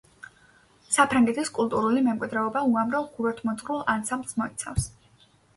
საფრანგეთის კულტურული მემკვიდრეობა უამრავ ხუროთმოძღვრულ ანსამბლს მოიცავს.